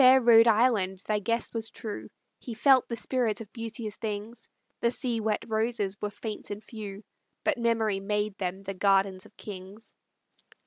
O fair Rhode Island, thy guest was true, He felt the spirit of beauteous things; The sea wet roses were faint and few, But memory made them the gardens of kings.